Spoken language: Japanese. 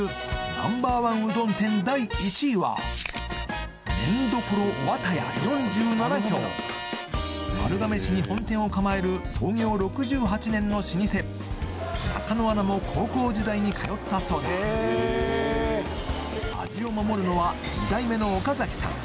ナンバーワンうどん店第１位は丸亀市に本店を構える創業６８年の老舗中野アナも高校時代に通ったそうだ味を守るのは２代目の岡さん